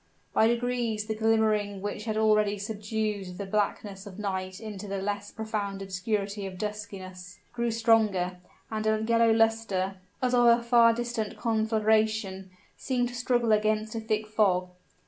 By degrees the glimmering which had already subdued the blackness of night into the less profound obscurity of duskiness, grew stronger; and a yellow luster, as of a far distant conflagration, seemed to struggle against a thick fog.